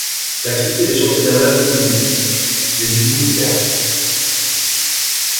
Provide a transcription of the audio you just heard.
L’activité des chantiers navals diminue, des usines ferment.